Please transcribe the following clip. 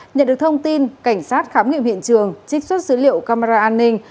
nhận được thông tin cảnh sát khám nghiệm hiện trường trích xuất dữ liệu camera an ninh